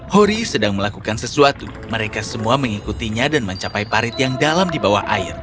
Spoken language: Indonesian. hori sedang melakukan sesuatu mereka semua mengikutinya dan mencapai parit yang dalam di bawah air